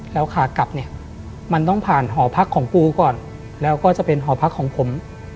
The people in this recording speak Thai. แล้วขากลับเนี่ยมันต้องผ่านหอพักของปูก่อนแล้วก็จะเป็นหอพักของผม